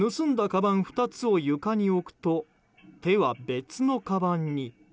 かばん２つを床に置くと手は別のかばんに。